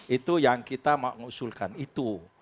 itu yang kita mengusulkan itu